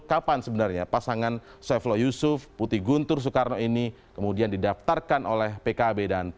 kapan sebenarnya pasangan saifullah yusuf putih guntur soekarno ini kemudian didaftarkan oleh pkb dan pan